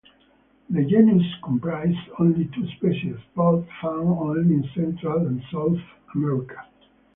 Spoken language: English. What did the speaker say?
The genus comprises only two species, both found only in Central and South America.